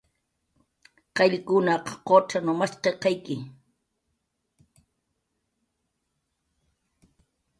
Qayllkunaq qucxanw mashqirqayawi